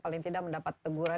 paling tidak mendapat teguran